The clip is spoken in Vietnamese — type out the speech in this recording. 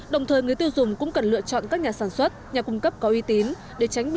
đồng thời người tiêu dùng cũng cần lựa chọn các nhà sản xuất nhà cung cấp có uy tín để tránh bị thiệt hại do gạo giả